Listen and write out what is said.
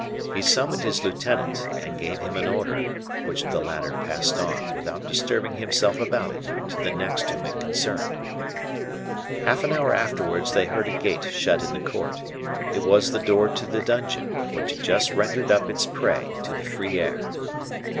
He summoned his lieutenant, and gave him an order, which the latter passed on, without disturbing himself about it, to the next whom it concerned. Half an hour afterwards they heard a gate shut in the court; it was the door to the dungeon, which had just rendered up its prey to the free air.